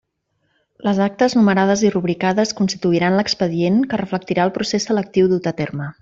Les actes numerades i rubricades constituiran l'expedient, que reflectirà el procés selectiu dut a terme.